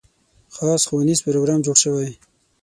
خاص ښوونیز پروګرام جوړ شوی.